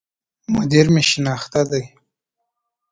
مدير مي شناخته دی